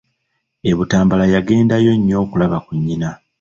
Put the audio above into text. E Butambala yagendangayo nnyo okulaba ku nnyina.